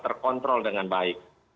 terkontrol dengan baik